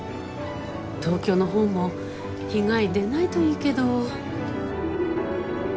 東京の方も被害出ないといいけど。